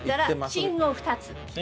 「信号２つ」。